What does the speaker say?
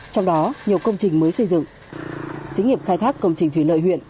trong đó nhiều công trình mới xây dựng xí nghiệp khai thác công trình thủy lợi huyện